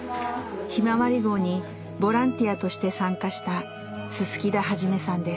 ひまわり号にボランティアとして参加した薄田一さんです。